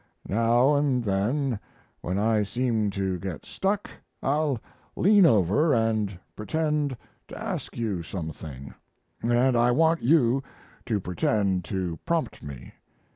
Now and then, when I seem to get stuck, I'll lean over and pretend to ask you some thing, and I want you to pretend to prompt me.